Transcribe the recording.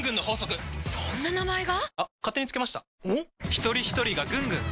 ひとりひとりがぐんぐん！